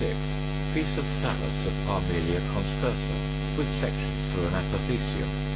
Piece of thallus of Parmelia conspersa, with section through an apothecium.